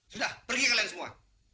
sudah pergi kalian semua